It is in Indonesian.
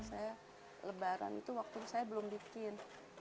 saya lebaran itu waktu saya belum bikin